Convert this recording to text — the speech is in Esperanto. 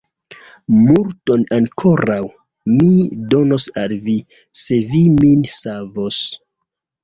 Multon ankoraŭ mi donos al vi, se vi min savos!